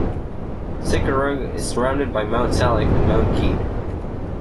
Cicurug is surrounded by Mount Salak and Mount Gede.